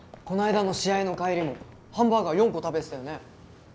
この間の試合の帰りもハンバーガー４個食べてたよね？